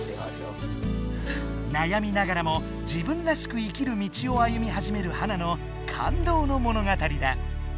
なやみながらも自分らしく生きる道を歩みはじめるハナの感動のものがたりだ。